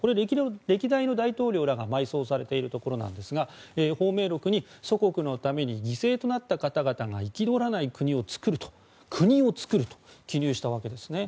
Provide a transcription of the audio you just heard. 歴代の大統領らが埋葬されているところですが芳名録に祖国のために犠牲となった方々が憤らない国を作ると記入したわけですね。